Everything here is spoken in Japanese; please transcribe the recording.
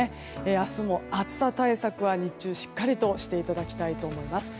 明日も暑さ対策は日中しっかりとしていただきたいと思います。